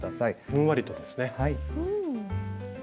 ふんわりとですね。